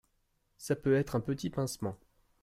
Ça peut être un petit pincement